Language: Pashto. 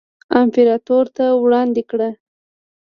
امپراتور ته وړاندې کړه.